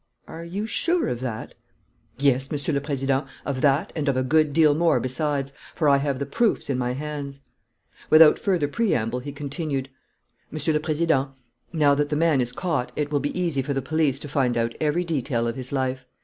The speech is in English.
"Are you sure of that?" "Yes, Monsieur le Président, of that and of a good deal more besides, for I have the proofs in my hands." Without further preamble, he continued: "Monsieur le Président, now that the man is caught, it will be easy for the police to find out every detail of his life.